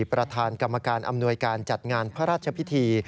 ประธานกรรมการอำนวยการจัดงานพระราชพิธี